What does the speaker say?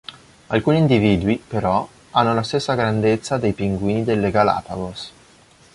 Alcuni individui, però, hanno la stessa grandezza dei pinguini delle Galápagos.